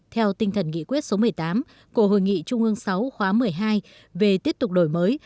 theo tinh thần nghị quyết số một mươi tám của hội nghị trung ương sáu khóa một mươi hai về tiếp tục đổi mới